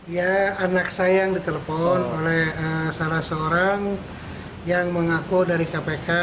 ya anak saya yang ditelepon oleh salah seorang yang mengaku dari kpk